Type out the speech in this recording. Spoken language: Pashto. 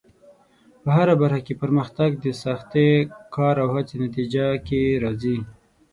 په هره برخه کې پرمختګ د سختې کار او هڅې په نتیجه کې راځي.